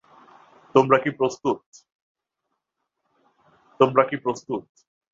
তোমরা কী প্রস্তুত?